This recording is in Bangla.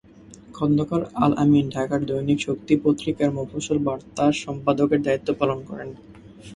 খন্দকার আল-আমিন ঢাকার দৈনিক শক্তি পত্রিকার মফস্বল বার্তা সম্পাদকের দায়িত্ব পালন করেন।